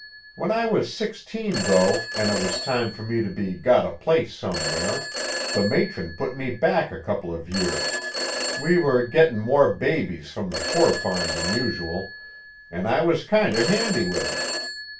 When I was sixteen, though, and it was time for me to be got a place somewhere, the matron put me back a couple of years; we were gettin' more babies from the poor farm than usual, an' I was kinder handy with them.